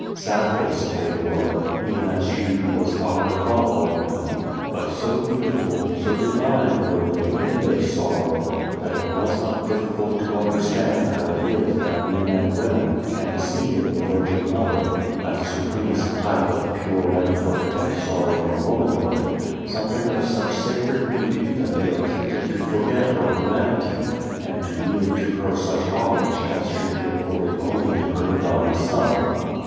Sad faced they were, even as she who was honoured above all women ; but so beautiful, so divine, were they in their sorrow that it was not difficult to understand how it is that men and women can see in the A World Without a Child Virgin Mother that supremest type of pure and perfect and sorrowing womanhood some thing of such sacred beauty that they are tempted to forget her humanity, and to yield to her such homage as should be accorded only to her Divine Son.